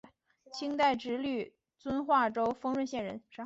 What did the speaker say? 清代直隶遵化州丰润县人。